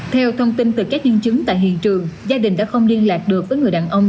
theo thông tin từ các nhân chứng tại hiện trường gia đình đã không liên lạc được với người đàn ông